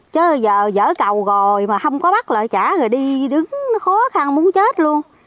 chứ giờ dỡ cầu rồi mà không có bắt lại trả rồi đi đứng khó khăn muốn chết luôn